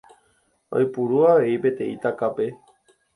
Oipuru avei peteĩ takape.